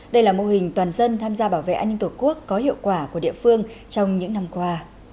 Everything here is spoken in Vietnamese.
đây là mô hình toàn dân tham gia bảo vệ an ninh tổ quốc có hiệu quả của địa phương trong những năm qua